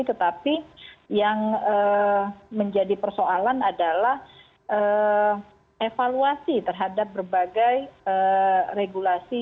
tetapi yang menjadi persoalan adalah evaluasi terhadap berbagai regulasi